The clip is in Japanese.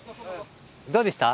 どうでした？